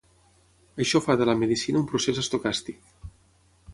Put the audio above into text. Això fa de la medicina un procés estocàstic.